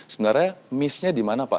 sebenarnya miss nya di mana pak